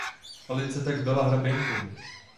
Alice tak byla hraběnkou.